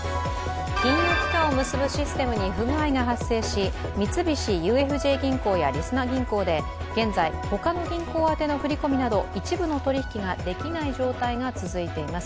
金融機関を結ぶシステムに不具合が発生し三菱ＵＦＪ銀行やりそな銀行で現在、他の銀行宛ての振り込みなど一部の取引ができない状態が続いています。